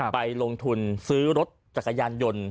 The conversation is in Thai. ไปลงทุนซื้อรถจักรยานยนต์